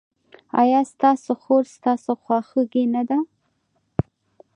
ایا ستاسو خور ستاسو خواخوږې نه ده؟